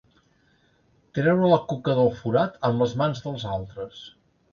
Treure la cuca del forat amb les mans dels altres.